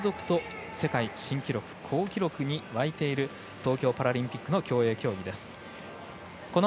きょうも続々と世界新記録と好記録に沸いている東京パラリンピックの競泳競技です。